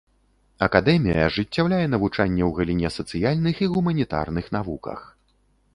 Акадэмія ажыццяўляе навучанне ў галіне сацыяльных і гуманітарных навуках.